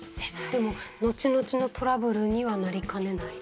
でも後々のトラブルにはなりかねない？